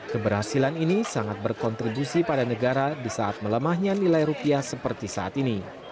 keberhasilan ini sangat berkontribusi pada negara di saat melemahnya nilai rupiah seperti saat ini